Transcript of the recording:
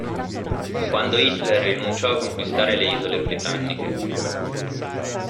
Quando Hitler rinunciò a conquistare le isole britanniche.